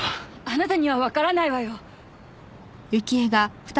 あなたにはわからないわよ。